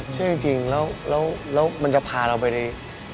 เชื่อจริงแล้วมันจะพาเราไปใน